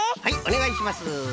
はいおねがいします。